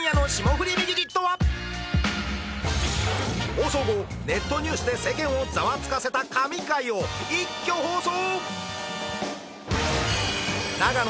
放送後ネットニュースで世間をざわつかせた神回を一挙放送！